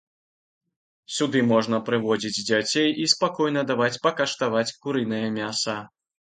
Сюды можна прыводзіць дзяцей і спакойна даваць пакаштаваць курынае мяса.